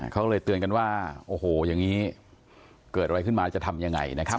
เขาเลยเตือนกันว่าโอ้โหอย่างนี้เกิดอะไรขึ้นมาจะทำยังไงนะครับ